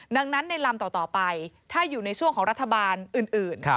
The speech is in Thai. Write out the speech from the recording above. ดังนั้นในลำต่อไปถ้าอยู่ในช่วงของรัฐบาลอื่น